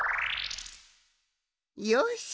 よし！